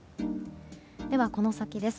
では、この先です。